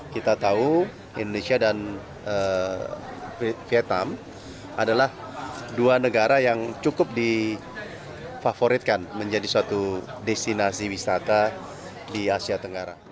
kita tahu indonesia dan vietnam adalah dua negara yang cukup difavoritkan menjadi suatu destinasi wisata di asia tenggara